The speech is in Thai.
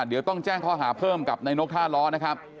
เดี๋ยวต้องแจ้งข้อหาเพิ่มกับนายนกท่าล้อนะครับ